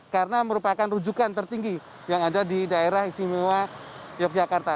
karena merupakan rujukan tertinggi yang ada di daerah istimewa yogyakarta